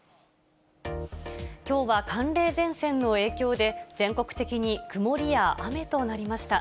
きょうは寒冷前線の影響で、全国的に曇りや雨となりました。